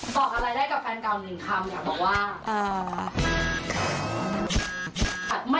บอกอะไรได้กับแฟนเก่าหนึ่งคำอยากบอกว่า